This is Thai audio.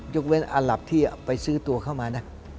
ยกเว้นอันดับที่ไปซื้อตัวเข้ามานะ